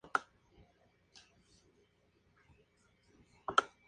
Es Licenciada en Relaciones Internacionales.